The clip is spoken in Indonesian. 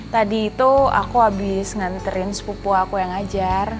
tadi tuh aku abis nganterin sepupu aku yang ngajar